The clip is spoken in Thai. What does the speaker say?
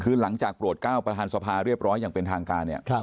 คือหลังจากโปรดก้าวประธานสภาเรียบร้อยอย่างเป็นทางการเนี่ย